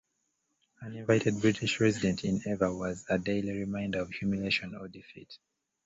An invited British Resident in Ava was a daily reminder of humiliation of defeat.